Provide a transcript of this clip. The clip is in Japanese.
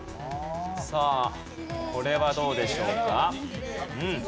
さあこれはどうでしょうか？